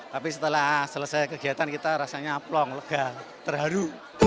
tapi setelah selesai kegiatan kita rasanya plong lega terharu